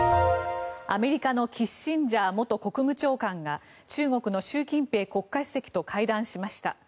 アメリカのキッシンジャー元国務長官が中国の習近平国家主席と会談しました。